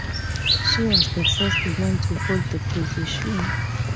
She was the first woman to hold the position.